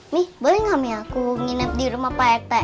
mi boleh gak mi aku nginep di rumah pak rete